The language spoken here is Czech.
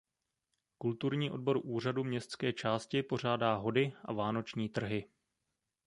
Kulturní odbor úřadu městské části pořádá hody a vánoční trhy.